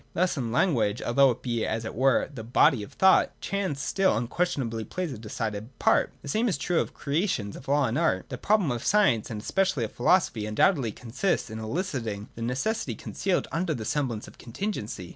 Thus in language (although it be, as it were, the body of thought) Chance still unquestionably plays a decided part ; and the same is true of the creations of law, of art, &c. The problem of science, and especially of philosophy, undoubtedly consists in eliciting the necessity concealed under the semblance of contingency.